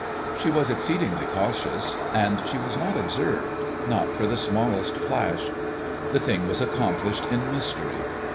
She was exceedingly cautious ; and she was not observed not for the smallest flash. The thing was accomplished in mystery.